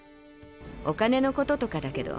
お金のこととかだけど。